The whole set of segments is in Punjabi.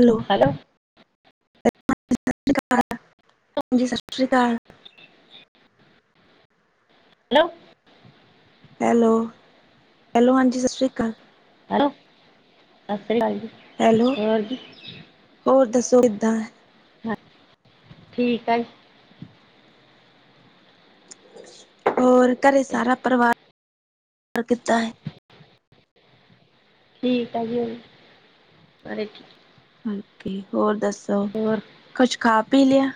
Hello hello. [unintelligible] ਹਾਂਜੀ ਸਸ ਸ਼੍ਰੀ ਕਾਲ। ਹੈਲੋ। ਹੈਲੋ-ਹੈਲੋ, ਹਾਂਜੀ ਸਸ ਸ਼੍ਰੀ ਕਾਲ। ਹੈਲੋ ਸੱਸਰੀਕਾਲ ਜੀ। ਹੈਲੋ, ਹੋਰ ਜੀ ਹੋਰ ਦੱਸੋ ਕਿੱਦਾਂ? ਠੀਕ ਆ ਜੀ। ਹੋਰ ਘਰੇ ਸਾਰਾ ਪਰਿਵਾਰ ਕਿੱਦਾਂ ਏ? ਠੀਕ ਆ ਜੀ ਓਵੀ ਸਾਰੇ ਠੀਕ [unintelligible] ਓਕੇ, ਹੋਰ ਦੱਸੋ ਹੋਰ ਕੁਛ ਖਾ ਪੀ ਲਿਆ?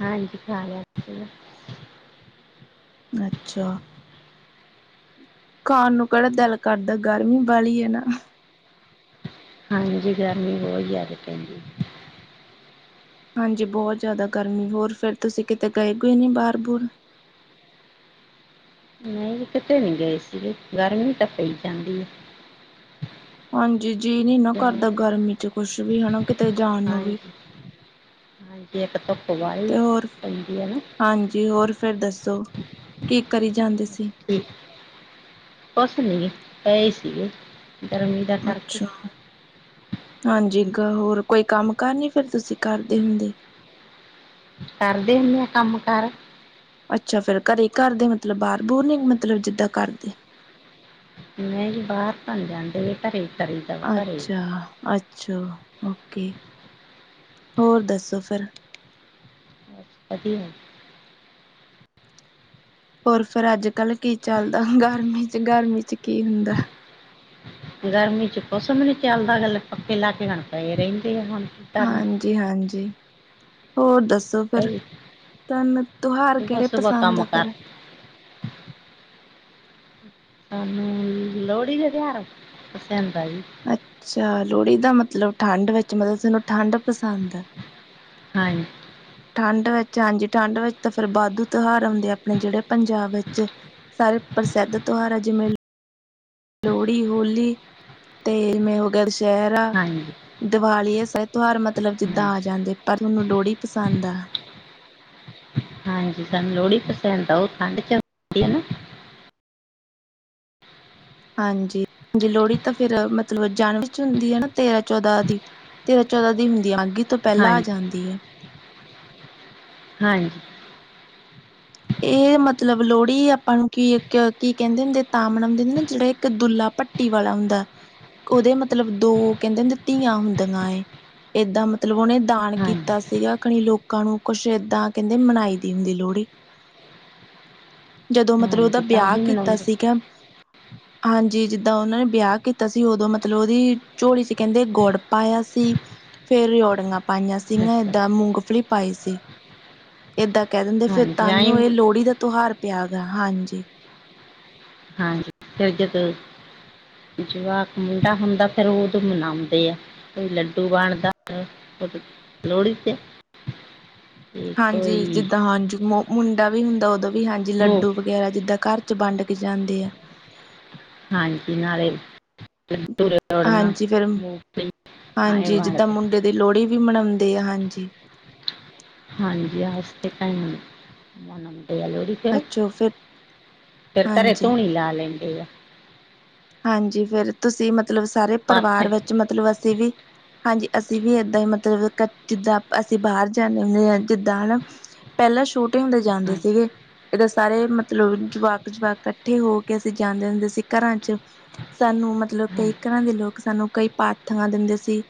ਹਾਂਜੀ ਖਾ ਲਿਆ ਸੀਗਾ। ਅੱਛਾ। ਖਾਣ ਨੂੰ ਕੇੜਾ ਦਿਲ ਕਰਦਾ ਗਰਮੀ ਵਾਲੀ ਐ ਨਾ। ਹਾਂਜੀ ਗਰਮੀ ਬੋਤ ਜਾਦੇ ਪੈਂਦੀ। ਹਾਂਜੀ ਬੋਤ ਜਾਦਾ ਗਰਮੀ ਹੋਰ ਫਿਰ ਤੁਸੀਂ ਕਿਤੇ ਗਏ-ਗੁਏ ਨੀ ਬਾਰ-ਬੁਰ? ਨਈ ਜੀ ਕਿਤੇ ਨੀ ਗਏ ਸੀਗੇ ਗਰਮੀ ਤਾਂ ਪਈ ਜਾਂਦੀ ਆ। ਹਾਂਜੀਜੀ ਨੀ ਹੈ ਨਾ ਜਾਂ- ਕਰਦਾ ਗਰਮੀ ਚ ਕੁੱਛ ਵੀ ਹਨਾ ਕੀ ਹਾਂਜੀ, ਹਾਂਜੀ ਇੱਕ ਧੁੱਪ ਵਾਲੀ ਤੇ ਹੋਰ ਪੈਂਦੀ ਐ ਨਾ। ਹਾਂਜੀ ਹੋਰ ਫੇਰ ਦੱਸੋ ਕੀ ਕਰੀ ਜਾਂਦੇ ਸੀ? ਠੀ ਕੁਛ ਨੀ ਪਏ ਸੀਗੇ ਗਰਮੀ ਦਾ ਕਰਕੇ ਅੱਛਾ। ਹਾਂਜੀ ਗ ਹੋਰ ਕੋਈ ਕੰਮ-ਕਾਰ ਨੀ ਫਿਰ ਤੁਸੀਂ ਕਰਦੇ ਹੁੰਦੇ? ਕਰਦੇ ਹੁੰਨੇ ਆ ਕੰਮ-ਕਾਰ। ਅੱਛਾ ਫੇਰ ਘਰੇ ਘਰ ਦੇ ਮਤਲਬ ਬਾਰ-ਬੁਰ ਨੀ ਮਤਲਬ ਜਿੱਦਾਂ ਕਰਦੇ? ਨਈ ਜੀ ਬਾਰ ਤਾਂ ਨੀ ਜਾਂਦੇ ਘਰੇ ਕਰੀਦਾ ਵਾ ਘਰੇ ਅੱਚਾ-ਅੱਚਾ, ਓਕੇ। ਹੋਰ ਦੱਸੋ ਫੇਰ? ਬਸ ਵਧੀਆ। ਹੋਰ ਫਿਰ ਅੱਜ-ਕੱਲ ਕੀ ਚੱਲਦਾ ਗਰਮੀ ਚ ਗਰਮੀ ਚ ਕੀ ਹੁੰਦਾ? ਗਰਮੀ ਚ ਕੁਸ ਬੀ ਨੀ ਚੱਲਦਾ [unintelligible] ਪੱਕੇ ਲਾ ਕੇ ਹੁਣ ਪਏ ਰੈਂਦੇ ਆ ਹੁਣ ਕੀ ਕਰਨਾ। ਜੀ ਹਾਂਜੀ ਹੋਰ ਦੱਸੋ ਫਿਰ, ਭਾਈ ਤਾਨੂੰ ਤੋਹਾਰ ਸੁਬਹ ਕੇੜੇ ਸੁਬਹ ਪਸੰਦ ਕੰਮ ਆ ਕਰ ਫੇਰ? ਸਾਨੂੰ ਲੋਹੜੀ ਦੇ ਤੇਹਾਰ ਪਸੰਦ ਆ ਜੀ। ਅੱਚਾ ਲੋਹੜੀ ਦਾ ਮਤਲਬ ਠੰਡ ਵਿੱਚ ਮਤਲਬ ਥੋਨੂੰ ਠੰਡ ਪਸੰਦ ਆ। ਹਾਂ ਠੰਡ ਵਿੱਚ ਹਾਂਜੀ ਠੰਡ ਵਿੱਚ ਤਾਂ ਫਿਰ ਵਾਧੂ ਤਿਉਹਾਰ ਆਉਂਦੇ ਆ ਆਪਣੇ ਜੇੜੇ ਪੰਜਾਬ ਵਿੱਚ। ਸਾਰੇ ਪ੍ਰਸਿੱਧ ਤਿਉਹਾਰ ਆ ਜਿਮੇਂ ਲੋਹੜੀ, ਹੋਲੀ ਤੇ ਮੇ ਹੋ ਗਿਆ ਦਸਹਿਰਾ। ਹਾਂਜੀ ਦੀਵਾਲੀ ਏ ਸ ਤਿਉਹਾਰ ਮਤਲਬ ਹਾਂਜੀ ਜਿੱਦਾਂ ਆ ਜਾਂਦੇ ਪਰ ਥੋਨੂੰ ਲੋਹੜੀ ਪਸੰਦ ਆ। ਹਾਂਜੀ ਸਾਨੂੰ ਲੋੜੀ ਪਸੰਦ ਆ ਓ ਠੰਡ ਚ ਹੁੰਦੀ ਐ ਨਾ। ਹਾਂਜੀ ਜੀ ਲੋੜੀ ਤਾਂ ਫਿਰ ਮਤਲਬ ਜਾਨਵੀ ਚ ਹੁੰਦੀ ਆ ਨਾ ਤੇਰਾਂ-ਚੌਦਾਂ ਦੀ। ਤੇਰਾਂ-ਚੌਦਾਂ ਦੀ ਹੁੰਦੀ ਆ ਮਾਘੀ ਤੋਂ ਪੈਲਾਂ ਆ ਹਾਂਜੀ ਜਾਂਦੀ ਆ। ਹਾਂਜੀ। ਏ ਮਤਲਬ ਲੋੜੀ ਆਪਾਂ ਨੂੰ ਕੀ ਕ ਕੀ ਕੈਂਦੇ ਹੁੰਦੇ ਆ ਤਾਂ ਮਨਾਉਂਦੇ ਹੁੰਦੇ ਆ ਨਾ ਜੇੜਾ ਇੱਕ ਦੁੱਲਾ ਭੱ ਟੀ ਵਾਲਾ ਹੁੰਦਾ, ਓਦੇ ਮਤਲਬ ਦੋ ਕੇਂਦੇ ਹੁੰਦੇ ਧੀਆਂ ਹੁੰਦੀਆਂ ਏ। ਏਦਾਂ ਮਤਲਬ ਓਨੇ ਦਾਨ ਹਾਂਜੀ ਕੀਤਾ ਸੀਗਾ ਖਣੀ ਲੋਕਾਂ ਨੂੰ ਕੁਛ ਏਦਾਂ ਕੇਂਦੇ ਮਨਾਈ ਦੀ ਹੁੰਦੀ ਲੋੜੀ। ਜਦੋਂ ਮਤਲਬ ਉਦਾ ਹਾਂਜੀ ਤਾਂ ਬਿਆ ਹੀ ਕੀਤਾ ਮਨਾਉਂਦੇ ਸੀਗਾ ਹਾਂਜੀ ਜਿੱਦਾਂ ਓਨਾਂ ਨੇ ਬਿਆ ਕੀਤਾ ਸੀ, ਉਦੋਂ ਮਤਲਬ ਓਦੀ ਝੋਲੀ 'ਚ ਕੈਂਦੇ ਗੁੜ ਪਾਇਆ ਸੀ। ਫੇਰ ਰੇਓੜੀਆਂ ਪਾਈਆਂ ਸੀਗੀਆਂ ਦੱਸੋ ਏਦਾਂ ਫੇਰ ਮੂੰਗਫਲੀ ਪਾਈ ਸੀ। ਏਦਾਂ ਕੈ ਦਿੰਦੇ ਫਿਰ ਹਾਂਜੀ ਆਈ ਤਾਨੂੰ ਏ ਲੋੜੀ ਦਾ ਤਿਹਾਰ ਪਿਆ ਗਾ, ਹਾਂਜੀ। ਹਾਂਜੀ [unintelligible] ਜਵਾਕ ਮੁੰਡਾ ਹੁੰਦਾ ਫਿਰ ਉਦੋਂ ਮਨਾਉਂਦੇ ਆ। ਕੋਈ ਲੱਡੂ ਵਾਂਡਦਾ ਉਦੋਂ ਲੋੜੀ ਤੇ ਤੇ ਹਾਂਜੀ ਕੋਈ ਜਿੱਦਾਂ ਹਾਂਜੀ ਮੋ ਮੁੰਡਾ ਵੀ ਹੁੰਦਾ ਉਦੋਂ ਵੀ ਹਾਂਜੀ ਮੂੰਗ ਲੱਡੂ ਵਗੈਰਾ ਜਿੱਦਾਂ ਘਰ 'ਚ ਬੰਡ ਕੇ ਜਾਂਦੇ ਆ। ਹਾਂਜੀ ਨਾਲੇ [unintelligible] ੜੀਆਂ ਨਾਲੇ ਹਾਂਜੀ ਫੇਰ ਮੂੰਫਲੀ ਹਾਂਜੀ ਜਿੱਦਾਂ ਮੁੰਡੇ ਦੀ ਲੋੜੀ ਵੀ ਮਨੋਂਦੇ ਆ ਹਾਂਜੀ। ਹਾਂਜੀ [unintelligible] ਮੁੰਡੇ ਆਲੇ ਵੀ ਰ ਅੱਛਾ ਫਿਰ ਫੇਰ ਘਰੇ ਹਾਂਜੀ ਧੂਣੀ ਲਾ ਲੈਂਦੇ ਆ ਹਾਂਜੀ ਫੇਰ ਤੁਸੀਂ ਮਤਲਬ ਸਾਰੇ ਪਰਵਾਰ ਪਾਥੇ ਵਿੱਚ ਮਤਲਬ ਅਸੀਂ ਵੀ ਹਾਂਜੀ ਅਸੀਂ ਵੀ ਏਦਾਂ ਈ ਮਤਲਬ ਕ ਜਿੱਦਾਂ ਅਸੀਂ ਬਾਰ ਜਾਨੇ ਹੁੰਨੇ ਆਂ ਜਿੱਦਾਂ ਹਨਾ ਪੈਲਾਂ ਸ਼ੋਟੇ ਹੁੰਦੇ ਜਾਂਦੇ ਹਾਂਜੀ ਸੀਗੇ ਦਾ ਸਾਰੇ ਮਤਲਬ ਜਵਾਕ-ਜਵਾਕ ਕੱਠੇ ਹੋ ਕੇ ਅਸੀਂ ਜਾਂਦੇ ਹੁੰਦੇ ਸੀ ਘਰਾਂ 'ਚ ਸਾਨੂੰ ਮਤਲਬ ਕਈ ਹਾਂਜੀ ਘਰਾਂ ਦੇ ਲੋਕ ਸਾਨੂੰ ਕਈ ਪਾਥਾਂ ਦਿੰਦੇ ਸੀ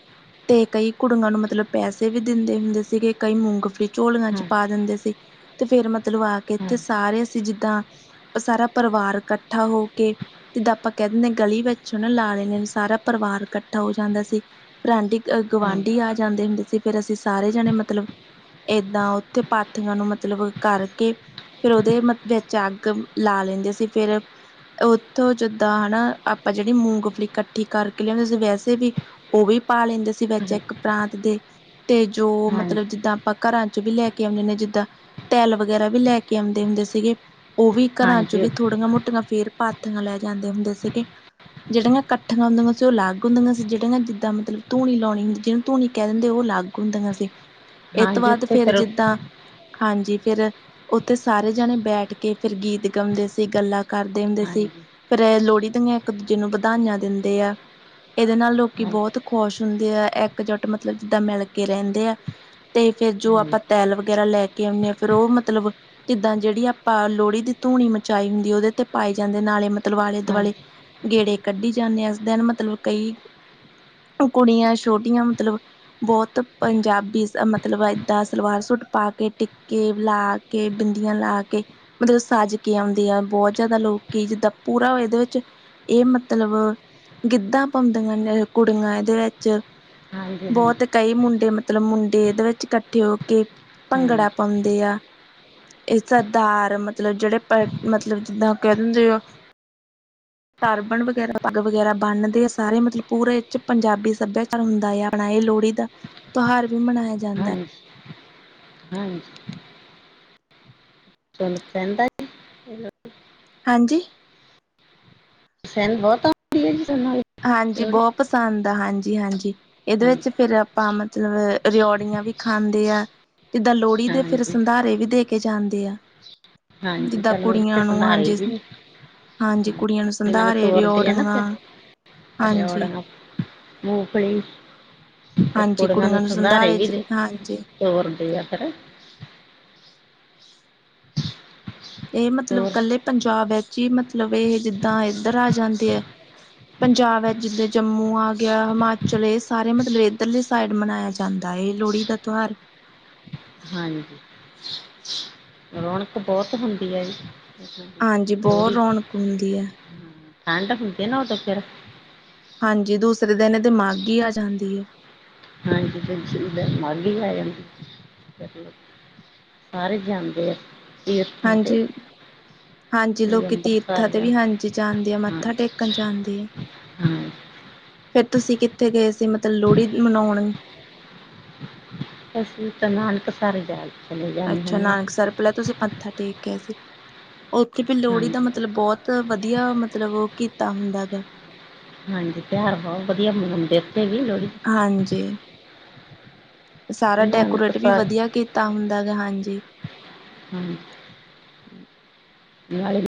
ਤੇ ਕਈ ਕੁੜੀਆਂ ਨੂੰ ਮਤਲਬ ਪੈਸੇ ਵੀ ਦਿੰਦੇ ਹੁੰਦੇ ਸੀਗੇ, ਕਈ ਮੂੰਗਫਲੀ ਝੋਲੀਆਂ 'ਚ ਹਾਂਜੀ ਪਾ ਦਿੰਦੇ ਸੀ। ਤੇ ਫੇਰ ਮਤਲਬ ਆ ਕੇ ਹਾਂਜੀ ਇੱਥੇ ਸਾਰੇ ਅਸੀਂ ਜਿੱਦਾਂ ਸਾਰਾ ਪਰਵਾਰ ਕੱਠਾ ਹੋ ਕੇ ਜਿੱਦਾਂ ਆਪਾਂ ਕੈ ਦਿੰਨੇ ਆਂ ਗਲੀ ਵਿੱਚ ਓ ਨਾ ਲਾ ਲੈਨੇ ਸਾਰਾ ਪਰਵਾਰ ਕੱਠਾ ਹੋ ਜਾਂਦਾ ਸੀ। ਫੇਰ ਆਂਢੀ-ਗਵਾਂਢੀ ਹਾਂਜੀ ਆ ਜਾਂਦੇ ਹੁੰਦੇ ਸੀ ਫੇਰ ਅਸੀਂ ਸਾਰੇ ਜਣੇ ਮਤਲਬ ਏਦਾਂ ਉੱਥੇ ਪਾਥੀਆਂ ਨੂੰ ਮਤਲਬ ਕਰਕੇ ਫੇਰ ਓਦੇ ਵਿੱਚ ਅੱਗ ਲਾ ਲੈਂਦੇ ਸੀ ਫੇਰ ਉੱਥੋਂ ਜਦ ਤਾਂ ਹਣਾ ਆਪਾਂ ਜੇੜੀ ਮੂੰਗਫਲੀ ਕੱਠੀ ਕਰਕੇ ਲਿਆਂਦੇ ਸੀ ਵੈਸੇ ਵੀ ਓ ਵੀ ਪਾ ਲੈਂਦੇ ਸੀ ਵਿੱਚ ਇੱਕ ਪਰਾਤ ਦੇ ਤੇ ਜੋ ਹਾਂਜੀ ਮਤਲਬ ਜਿੱਦਾਂ ਪਾਂ ਘਰਾਂ 'ਚ ਵੀ ਲੈ ਕੇ ਔਨੇ ਹੁਨੇ ਜਿੱਦਾਂ ਤੈਲ ਵਗੈਰਾ ਵੀ ਲੈ ਕੇ ਔਂਦੇ ਹੁੰਦੇ ਸੀਗੇ ਓ ਵੀ ਘਰਾਂ 'ਚ ਵੀ ਹਾਂਜੀ ਥੋੜੀਆਂ-ਮੋਟੀਆਂ ਫੇਰ ਪਾਥੀਆਂ ਲੈ ਜਾਂਦੇ ਹੁੰਦੇ ਸੀਗੇ ਜਿਹੜੀਆਂ ਕੱਠੀਆਂ ਹੁੰਦੀਆਂ ਸੀ ਉਹ ਲੱਗ ਹੁੰਦੀਆਂ ਸੀ, ਜਿਹੜੀਆਂ ਜਿੱਦਾਂ ਮਤਲਬ ਧੂਣੀ ਲੌਣੀ ਹੁੰਦੀ ਜਿਨੂੰ ਧੂਣੀ ਕਹਿ ਦਿੰਦੇ ਓ ਲੱਗ ਗ ਹੁੰਦੀਆਂ ਸੀ। ਏ ਤੋਂ ਹਾਂਜੀ ਬਾਅਦ ਉੱਤੇ ਫੇਰ ਫਿਰ ਜਿੱਦਾਂ ਹਾਂਜੀ ਫੇਰ ਉੱਥੇ ਸਾਰੇ ਜਾਣੇ ਬੈਠ ਕੇ ਫੇਰ ਗੀਤ ਗਾਉਂਦੇ ਸੀ ਗੱਲਾਂ ਕਰਦੇ ਹੁੰਦੇ ਸੀ। ਹਾਂਜੀ ਫੇਰ ਐ ਲੌੜੀ ਦੀਆਂ ਇੱਕ ਦੂਜੇ ਨੂੰ ਬਧਾਈਆਂ ਦਿੰਦੇ ਆ ਏਦੇ ਨਾਲ ਲੋਕੀਂ ਹਾਂਜੀ ਬਹੁਤ ਖੁਸ਼ ਹੁੰਦੇ ਆ ਇੱਕ-ਜੁੱਟ ਮਤਲਬ ਜਿੱਦਾਂ ਮਿਲ ਕੇ ਰਹਿੰਦੇ ਆ। ਤੇ ਫੇਰ ਜੋ ਹਾਂਜੀ ਹਾਂਜੀ ਆਪਾਂ ਤੈਲ ਵਗੈਰਾ ਲੈ ਕੇ ਆਉਨੇ ਆਂ ਫੇਰ ਓ ਮਤਲਬ ਜਿੱਦਾਂ ਜੇੜੀ ਆਪਾਂ ਲੌੜੀ ਦੀ ਧੂਣੀ ਮਚਾਈ ਹੁੰਦੀ ਓਦੇ ਤੇ ਪਾਏ ਜਾਂਦੇ ਨਾਲੇ ਤਲਬ ਆਲੇ-ਦਵਾਲੇ ਹਾਂਜੀ ਗੇੜੇ ਕੱਢੀ ਜਾਨੇ ਆਂ, ਇਸ ਦਿਨ ਮਤਲਬ ਕਈ ਕੁੜੀਆਂ ਸ਼ੋਟੀਆਂ ਮਤਲਬ ਬੋਤ ਪੰਜਾਬੀ ਸ ਮਤਲਬ ਏਦਾਂ ਸਲਵਾਰ-ਸੂਟ ਪਾ ਕੇ ਟਿੱਕੇ ਲਾ ਕੇ, ਬਿੰਦੀਆਂ ਲਾ ਕੇ ਮਤਲਬ ਸਜ ਕੇ ਔਂਦੀਆਂ ਬੋਤ ਜ਼ਿਆਦਾ ਲੋਕੀਂ ਜਿੱਦਾਂ ਪੂਰਾ ਏਦੇ ਵਿੱਚ ਏ ਮਤਲਬ ਗਿੱਧਾ ਪੋਂਦੀਆਂ ਨੇ ਕੁੜੀਆਂ ਏਦੇ ਵਿੱਚ ਹਾਂਜੀ ਹਾਂਜੀ ਬੋਤ ਕਈ ਮੁੰਡੇ ਮਤ ਮਤਲਬ ਮੁੰਡੇ ਏਦੇ ਵਿੱਚ ਕੱਠੇ ਹੋ ਕੇ ਭੰਗੜਾ ਪੌਂਦੇ ਆ ਏ ਸਦਾਰ ਮਤਲਬ ਜਿਹੜੇ ਪੈ ਮਤਲਬ ਜਿੱਦਾਂ ਕੈ ਦਿੰਦੇ ਆ ਟਰਬਣ ਵਗੈਰਾ ਪੱਗ ਵਗੈਰਾ ਬੰਨਦੇ ਆ ਸਾਰੇ ਮਤਲਬ ਪੂਰੇ ਏ 'ਚ ਪੰਜਾਬੀ ਸੱਭਿਆਚਾਰ ਤਿਉਹਾਰ ਹੁੰਦਾ ਆ ਆਪਣਾ, ਏ ਲੋਹੜੀ ਦਾ ਤਿਉਹਾਰ ਵੀ ਮਨਾਇਆ ਜਾਂਦਾ ਹਾਂਜੀ, ਹਾਂਜੀ। [unintelligible] ਹਾਂਜੀ? [unintelligible] ਹਾਂਜੀ, ਲੋਹੜੀ ਬੋ ਪਸੰਦ ਆ, ਹਾਂਜੀ-ਹਾਂਜੀ! ਏਦੇ ਹਾਂਜੀ ਵਿੱਚ ਫੇਰ, ਆਪਾਂ ਮਤਲਬ ਰਿਓੜੀਆਂ ਵੀ ਖਾਂਦੇ ਆ। ਜਿੱਦਾਂ ਲੋਹੜੀ ਦੇ ਫੇਰ ਹਾਂਜੀ ਸੰਧਾਰੇ ਵੀ ਦੇ ਕੇ ਜਾਂਦੇ ਆ। ਹਾਂਜੀ ਜਿੱਦਾਂ ਪਰ ਲੋਹੜੀ ਦੇ ਕੁੜੀਆਂ ਨੂੰ ਸੰਧਾਰੇ ਹਾਂਜੀ ਵੀ ਹਾਂਜੀ, ਕੁੜੀਆਂ ਨੂੰ ਸੰਧਾਰੇ, ਰਿਓੜੀਆਂ ਹਾਂਜੀ ਰੇਉੜੀਆ, ਮੂਫਲੀ ਫੇਰ ਕੁੜੀਆਂ ਨੂੰ ਸੰਧਾਰੇ ਵੀ [inaudible] ਤੋਰਦੇ ਆ, ਪਤਾ? ਏ ਮਤਲਬ ਹੋਰ ਕੱਲੇ ਪੰਜਾਬ ਵਿੱਚ ਈ ਮਤਲਬ ਏ ਜਿੱਦਾਂ ਇਧਰ ਆ ਜਾਂਦੇ ਐ। ਪੰਜਾਬ ਐ, ਜਿੱਦਾਂ ਜੰਮੂ ਆ ਗਿਆ, ਹਿਮਾਚਲ ਏ, ਸਾਰੇ ਮਤਲਬ ਇੱਧਰਲੇ ਸਾਈਡ ਮਨਾਇਆ ਜਾਂਦਾ ਏ, ਇਹ ਲੋਹੜੀ ਦਾ ਤਿਉਹਾਰ ਹਾਂਜੀ। ਰੋਣਕ ਬਹੁਤ ਹੁੰਦੀ ਏ ਜੀ। ਹਾਂਜੀ, ਬੋ ਲੋਹੜੀ ਰੌਣਕ ਹੁੰਦੀ ਏ! ਠੰਡ ਹੁੰਦੀ ਨਾ ਉਦੋਂ ਫੇਰ। ਹਾਂਜੀ, ਦੂਸਰੇ ਦਿਨ ਏਦੇ ਮਾਘੀ ਆ ਜਾਂਦੀ ਐ! ਹਾਂਜੀ ਤੇ ਮਾਘ ਆ ਜਾਂਦੀ [unintelligible] ਸਾਰੇ ਜਾਂਦੇ ਆ। ਤੀਰਥਾਂ ਤੇ ਹਾਂਜੀ। ਹਾਂਜੀ, ਕੋਈ ਲੋਕੀ ਤੀਰਥਾਂ ਅੰਮ੍ਰਿਤਸਰ ਤੇ ਜਾਂ ਵੀ ਹਾਂਜੀ ਜਾਂਦੇ ਆ, ਮੱਥਾ ਟੇਕਣ ਜਾਂਦੇ ਆ। ਹਮ। ਫੇਰ ਤੁਸੀਂ ਕਿੱਥੇ ਗਏ ਸੀ, ਮਤਲਬ ਲੋਹੜੀ ਮਨਾਉਣ? ਅਸੀਂ ਤਾਂ ਨਾਨਕਸਰ ਗੇ! ਅੱਛਾ, ਨਾਨਕਸਰ ਪਹਿਲਾ ਤੁਸੀਂ ਮੱਥਾ ਟੇਕ ਕੇ ਆਏ ਸੀ, ਉੱਥੇ ਵੀ ਲੋਹੜੀ ਹਾਂਜੀ ਦਾ ਮਤਲਬ ਬਹੁਤ [unintelligible] ਵਧੀਆ ਮਤਲਬ ਉਹ ਕੀਤਾ ਹੁੰਦਾ ਗਾ। ਹਾਂਜੀ, ਤਿਉਹਾਰ ਬਹੁਤ ਵਧੀਆ ਮੰਨਾਉਂਦੇ ਉੱਥੇ ਵੀ ਲੋਹੜੀ ਹਾਂਜੀ। ਸਾਰਾ ਡੈਕੋਰੇਟ ਵੀ ਨਾਨਕਸਰ ਵਧੀਆ ਕੀਤਾ ਹੁੰਦਾ ਗਾ, ਹਾਂਜੀ। ਹਮ। ਨਾਲੇ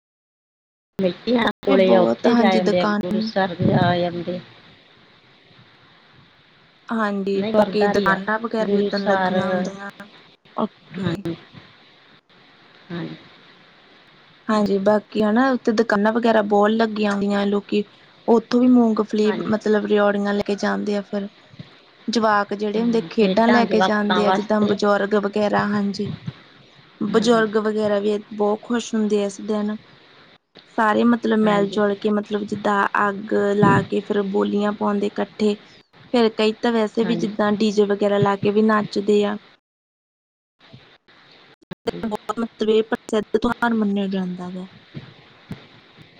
ਮਹਿਤੇਆਣਾ ਵੀ ਕੋਲੇ ਆ, ਬਹੁਤ ਉੱਥੇ ਜਾ ਹਾਂਜੀ ਆਉਂਦੇ, ਆ ਗੁਰੂ ਦੁਕਾਨ ਸਰ ਵੀ ਆ ਜਾਂਦੇ। ਹਾਂਜੀ, ਨਹੀਂ ਬਾਕੀ ਗੁਰਦੁਆਰੇ ਆ ਦੁਕਾਨਾਂ ਵਗੈਰਾ ਵੀ ਗੁਰੂ ਉਦਣ ਸਰ ਲੱਗੀਆਂ ਹਾਂ ਹੁੰਦੀਆਂ, ਓਕੇ। ਹਾਂਜੀ। ਹਾਂਜੀ, ਬਾਕੀ ਹਨਾ, ਉਥੇ ਦੁਕਾਨਾਂ ਵਗੈਰਾ ਬੋ ਲੱਗੀਆਂ ਹੁੰਦੀਆ ਆ, ਲੋਕੀ ਉੱਥੋਂ ਵੀ ਮੂੰਗ ਲੇ ਬ ਹਾਂਜੀ ਮਤਲਬ ਰਓੜੀਆਂ ਲੈ ਕੇ ਜਾਂਦੇ ਆ ਫੇਰ ਜਵਾਕ ਜਿਹੜੇ ਹੁੰਦੇ ਹਾਂ, ਖੇਡਾਂ ਲੈ ਕੇ ਜਵਾਕਾਂ ਜਾਂਦੇ ਆ, ਜਿੱਦਾਂ ਵਾਸਤੇ ਬਜ਼ੁਰਗ ਵਗੈਰਾ, ਹਾਂਜੀ। ਹਾਂਜੀ ਬਜ਼ੁਰਗ ਵਗੈਰਾ ਵੀ ਬੋ ਖੁਸ਼ ਹੁੰਦੇ ਏਸ ਦਿਨ। ਸਾਰੇ ਮਤਲਬ ਹਾਂਜੀ ਮੈਲ-ਜੁਲ ਕੇ, ਮਤਲਬ ਜਿੱਦਾਂ ਅੱਗ ਲਾ ਕੇ, ਫੇਰ ਬੋਲੀਆਂ ਪਾਉਂਦੇ ਕੱਠੇ! ਕਈ ਤਾਂ ਵੈਸੇ ਵੀ, ਹਾਂਜੀ ਜਿੱਦਾਂ ਡੀਜੇ ਵਗੈਰਾ ਲਾ ਕੇ ਵੀ ਨਾਚਦੇ ਆ! [inaudible] ਬਹੁਤ ਮਤਬ ਪ੍ਰਸਿੱਧ ਤੁ ਰ ਮੰਨਿਆ ਜਾਂਦਾ ਵਾ।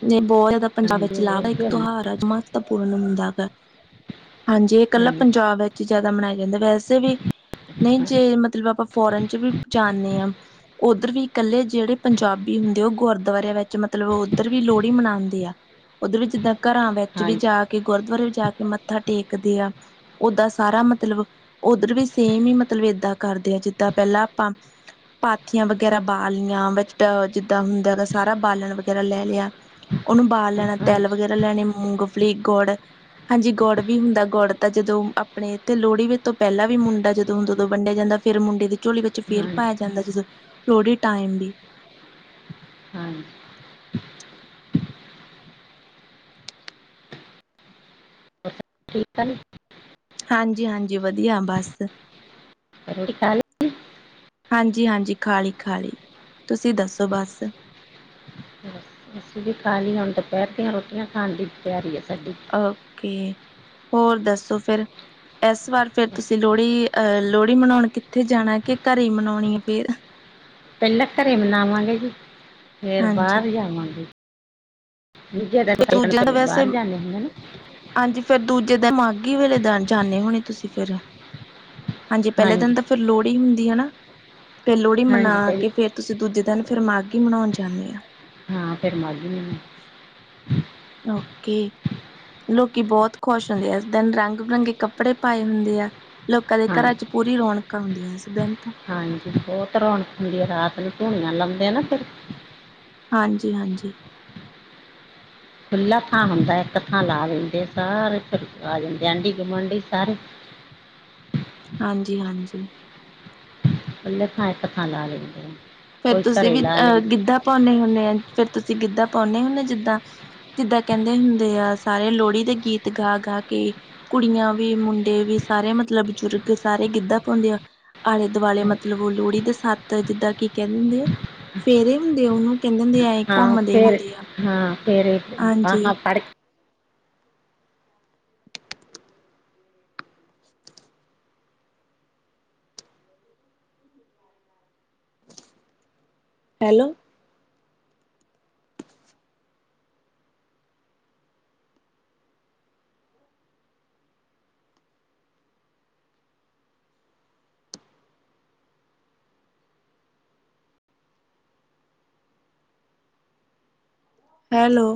ਜੇ ਬਹੁਤ ਜ਼ਿਆਦਾ ਪੰਜਾਬ ਹਾਂਜੀ ਵਿੱਚ ਲਾਭਦਾਇੱਕ ਵਧੀਆ ਹੁੰਦਾ। ਤਿਉਹਾਰ ਐ। ਮਹੱਤਵਪੂਰਨ ਹੁੰਦਾ ਵਾ। ਹਾਂਜੀ, ਇਹ ਕੱਲਾ ਹਾਂਜੀ ਪੰਜਾਬ ਵਿੱਚ ਈ ਜ਼ਿਆਦਾ ਮਨਾਇਆ ਜਾਂਦਾ। ਵੈਸੇ ਵੀ ਨਹੀਂ ਹਾਂ, ਜੇ ਮਤਲਬ, ਆਪਾਂ ਫੌਰਨ 'ਚ ਵੀ ਜਾਂਨੇ ਆ ਉੱਧਰ ਵੀ ਇਕੱਲੇ ਜਿਹੜੇ ਪੰਜਾਬੀ ਹੁੰਦੇ, ਉਹ ਗੁਰਦੁਆਰਿਆਂ ਵਿੱਚ ਮਤਲਬ ਉੱਧਰ ਵੀ ਲੋਹੜੀ ਮਨਾਂਦੇ ਆ। ਉੱਧਰ ਵੀ ਜਿੱਦਾਂ ਘਰਾਂ ਵਿੱਚ ਵੀ ਹਾਂਜੀ ਜਾ ਕੇ, ਗੁਰਦੁਆਰੇ ਵੀ ਜਾ ਕੇ, ਮੱਥਾ ਟੇਕਦੇ ਆ। ਓਦਾਂ ਸਾਰਾ ਮਤਲਬ, ਉੱਧਰ ਵੀ ਸੇਮ ਈ ਮਤਲਬ, ਏਦਾਂ ਕਰਦੇ ਆ। ਜਿੱਦਾਂ ਪਹਿਲਾਂ ਆਪਾਂ ਪਾਥੀਆਂ ਵਗੈਰਾ ਬਾਲਣੀਆਂ, ਵਿੱਚ ਜਿੱਦਾਂ ਹੁੰਦਾ ਹੈਗਾ ਸਾਰਾ ਬਾਲਣ ਵਗੈਰਾ ਲੈ ਲਿਆ। ਉਹਨੂੰ ਬਾਲ ਹਾਂ, ਲੈਣਾ, ਤਿੱਲ ਹਾਂਜੀ ਵਗੈਰਾ ਲੈਣੇ, ਮੂੰਗਫਲੀ, ਗੁੜ ਹਾਂਜੀ, ਗੁੜ ਵੀ ਹੁੰਦਾ। ਗੁੜ ਤਾਂ ਜਦੋਂ, ਆਪਣੇ ਇੱਥੇ ਲੋਹੜੀ ਵੇ ਤੋਂ ਪਹਿਲਾਂ ਵੀ ਮੁੰਡਾ ਜਦੋਂ ਹੁੰਦਾ, ਉਦੋਂ ਵੰਡਿਆ ਜਾਂਦਾ। ਫੇਰ ਮੁੰਡੇ ਦੀ ਝੋਲੀ ਵਿੱਚ, ਹਾਂਜੀ ਫੇਰ ਪਾਇਆ ਜਾਂਦਾ ਜਦੋਂ ਲੋਹੜੀ ਟਾਈਮ ਵੀ। ਹਾਂਜੀ। ਕੀਤਾ ਨੀ। ਹਾਂਜੀ-ਹਾਂਜੀ, ਵਧੀਆਂ ਬਸ। ਰੋਟੀ ਖਾ ਲੀ? ਹਾਂਜੀ-ਹਾਂਜੀ, ਖਾਲੀ-ਖਾਲੀ ਤੁਸੀਂ ਦੱਸੋ ਲਈ ਬਸ। ਬਸ, ਅਸੀਂ ਵੀ ਖਾਲੀ। ਹੁਣ ਦੁਪਹਿਰ ਦੀਆਂ ਰੋਟੀਆਂ ਖਾਣ ਦੀ ਤਿਆਰੀ ਐ ਸਾਡੀ। ਓਕੇ। ਹੋਰ ਦੱਸੋ ਫਿਰ? ਇਸ ਵਾਰ ਫਿਰ ਤੁਸੀਂ ਲੋਹੜੀ ਅਹ ਲੋਹੜੀ ਮਨਾਉਂਣ ਕਿੱਥੇ ਜਾਣਾ। ਕਿ ਘਰੇ ਈ ਮਨਾਉਂਣੀ ਐ ਫੇਰ। ਪਹਿਲਾਂ ਘਰੇ ਮਨਾਵਾਂਗੇ ਜੀ। ਫੇਰ ਹਾਂਜੀ ਬਾਹਰ ਜਾਵਾਂਗੇ। [unintelligible] ਨਹੀਂ ਜਿਆਦਾ ਹੁਣ ਦੂਜਿਆਂ ਦਾ ਪੇਲੇ ਵੈਸੇ ਬਾਹਰ ਜਾਂਦੇ ਹੁੰਨੇ ਆ ਨਾ। ਹਾਂਜੀ। ਫਿਰ ਦੂਜੇ ਦਿ, ਮਾਘੀ ਵੇਲੇ ਦੇ ਜਾਂਦੇ ਹੋਣੇ ਤੁਸੀਂ ਫਿਰ। ਹਾਂਜੀ, ਪਹਿਲੇ ਦਿਨ ਤਾਂ ਫਿਰ ਲੋਹੜੀ ਹੁੰਦੀ ਹਨਾ। ਤੇ ਲੋਹੜੀ ਹਾਂਜੀ ਮਨਾ ਪਹਿਲੇ ਕੇ ਫਿਰ ਤੁਸੀਂ ਦੂਜੇ ਦਿਨ ਫਿਰ ਮਾਘੀ ਮਨਾਉਂਣ ਜਾਂਨੇ ਆ। ਹਾਂ, ਫਿਰ ਮਾਘੀ ਮਨਾ ਓਕੇ। ਲੋਕੀਂ ਬਹੁਤ ਖੁਸ਼ ਹੁੰਦੇ ਆ। ਉਸ ਦਿਨ ਰੰਗ-ਬਿਰੰਗੇ ਕੱਪੜੇ ਪਾਏ ਹੁੰਦੇ ਆ। ਲੋਕਾਂ ਦੇ ਘਰਾਂ ਹਾਂਜੀ 'ਚ ਪੂਰੀ ਰੌਣਕਾਂ ਹੁੰਦੀਆਂ, ਇਸ ਦਿਨ ਤਾਂ ਹਾਂਜੀ। ਬਹੁਤ ਰੌਣਕ ਹੁੰਦੀ ਆ। ਰਾਤ ਨੂੰ ਧੂਣੀਆਂ ਲਾਉਂਦੇ ਆ ਨਾ ਫਿਰ ਹਾਂਜੀ-ਹਾਂਜੀ। ਖੁੱਲਾ ਥਾਂ ਹੁੰਦਾ। ਇੱਕ ਥਾਂ ਲਾ ਲੈਂਦੇ ਆ। ਸਾਰੇ ਫਿਰ ਆ ਜਾਂਦੇ ਆਂਢੀ-ਗੁਆਂਢੀ ਸਾਰੇ। ਹਾਂਜੀ-ਹਾਂਜੀ। ਖੁੱਲ੍ਹੇ ਥਾਂ, ਇੱਕ ਥਾਂ ਲਾ ਲੈਂਦੇ ਨੇ। ਫੇਰ ਤੁਸੀਂ ਵੀ ਅ ਗਿੱਧਾ ਪਾਉਂਨੇ ਹੁੰਨੇ ਆ। ਫੇਰ ਤੁਸੀਂ ਗਿੱਧਾ ਪਾਉਂਨੇ ਹੁੰਨੇ ਜਿੱਦਾਂ ਜਿੱਦਾਂ ਕਹਿੰਦੇ ਹੁੰਦੇ ਆ, ਸਾਰੇ ਲੋਹੜੀ ਦੇ ਗੀਤ ਗਾ-ਗਾ ਕੇ ਕੁੜੀਆਂ ਵੀ, ਮੁੰਡੇ ਵੀ, ਸਾਰੇ ਮਤਲਬ ਬਜ਼ੁਰਗ, ਸਾਰੇ ਗਿੱਧਾ ਪਾਉਂਦੇ ਆ। ਆਲੇ-ਦੁਵਾਲੇ ਮਤਲਬ ਉਹ ਲੋਹੜੀ ਦੇ ਸੱਤ ਜਿੱਦਾਂ ਕਿ ਕਹਿੰਦੇ ਹੁੰਦੇ, ਫੇਰੇ ਹੁੰਦੇ ਉਹਨੂੰ ਕਹਿੰਦੇ ਮੇ ਆ ਹਾਂ ਘੁੰਮਦੇ ਫਿਰ, ਹੁੰਦੇ ਆ ਹਾਂ ਫਿਰ ਹਾਂਜੀ ਬਾਂਹ ਫੜ ਹੈਲੋ। ਹੈਲੋ।